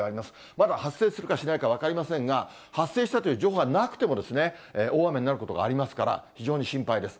まだ発生するかしないか分かりませんが、発生したという情報がなくても、大雨になることがありますから、非常に心配です。